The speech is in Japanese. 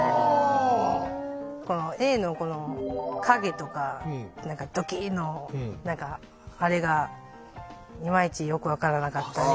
Ａのこの影とか「どきいっ」の何かあれがいまいちよく分からなかったり。